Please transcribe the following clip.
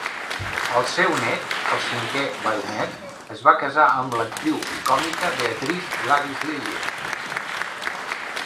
El seu net, el cinquè Baronet, es va casar amb l'actriu i còmica Beatrice Gladys Lillie.